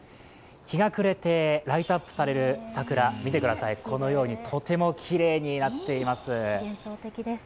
日が暮れてライトアップされる桜、見てください、このようにとてもきれいになっています。